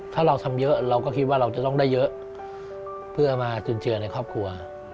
ถ้าเราทำเยอะเราก็คิดว่าเราจะต้องได้เยอะเพื่อมาจุนเจือในครอบครัว